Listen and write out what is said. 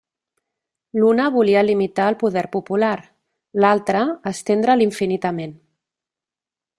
L'una volia limitar el poder popular, l'altra estendre'l infinitament.